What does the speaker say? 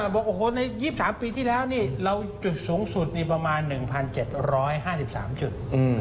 บอกโอ้โหใน๒๓ปีที่แล้วนี่เราจุดสูงสุดนี่ประมาณ๑๗๕๓จุด